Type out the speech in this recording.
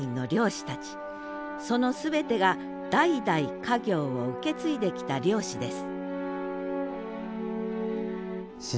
その全てが代々家業を受け継いできた漁師です